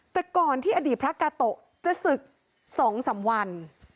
แต่ก่อนที่อดีตพระกาโตะจะศึก๒๓วัน